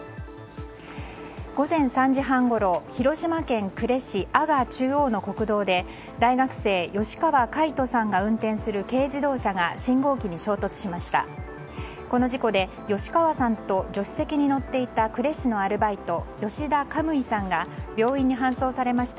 午前３時半ごろ広島県呉市阿賀中央の国道で大学生、吉川魁人さんが運転する軽自動車が信号機に衝突しました。